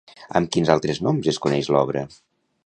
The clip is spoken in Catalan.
Amb quins altres noms es coneix l'obra?